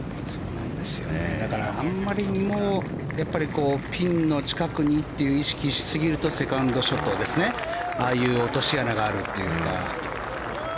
だから、あんまりにもピンの近くにという意識しすぎるとセカンドショットでああいう落とし穴があるっていうか。